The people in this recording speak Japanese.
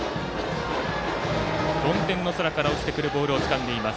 曇天の空から落ちてくるボールをつかんでいます。